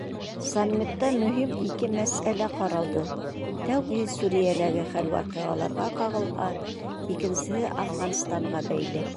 Саммитта мөһим ике мәсьәлә ҡаралды: тәүгеһе Сүриәләге хәл-ваҡиғаларға ҡағылһа, икенсеһе Афғанстанға бәйле.